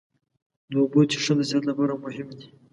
د اوبو څښل د صحت لپاره مهم دي.